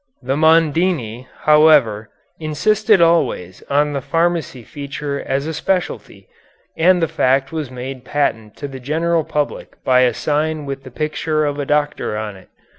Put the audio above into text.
The Mondini, however, insisted always on the pharmacy feature as a specialty, and the fact was made patent to the general public by a sign with the picture of a doctor on it.